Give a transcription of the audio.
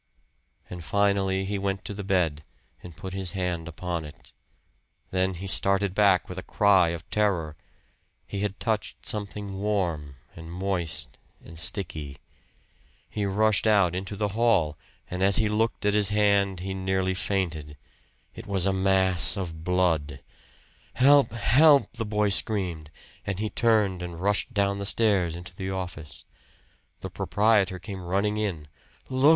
And finally he went to the bed, and put his hand upon it. Then he started back with a cry of terror. He had touched something warm and moist and sticky. He rushed out into the hall, and as he looked at his hand he nearly fainted. It was a mass of blood! "Help! Help!" the boy screamed; and he turned and rushed down the stairs into the office. The proprietor came running in. "Look!"